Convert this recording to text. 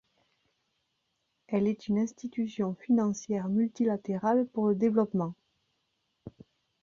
Elle est une institution financière multilatérale pour le développement.